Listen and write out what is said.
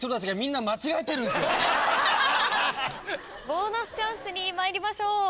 ボーナスチャンスに参りましょう。